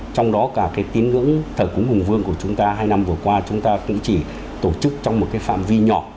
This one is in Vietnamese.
trong đó cả cái tín ngưỡng thờ cúng hùng vương của chúng ta hai năm vừa qua chúng ta cũng chỉ tổ chức trong một cái phạm vi nhỏ